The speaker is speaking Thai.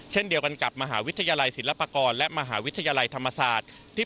เช่นเดียวกันกับมหาวิทยาลัยศิลปากรและมหาวิทยาลัยธรรมศาสตร์